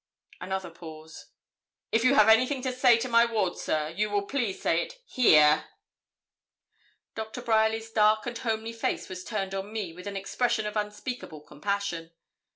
Another pause. 'If you have anything to say to my ward, sir, you will please to say it here.' Doctor Bryerly's dark and homely face was turned on me with an expression of unspeakable compassion.